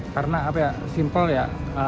karena simpel ya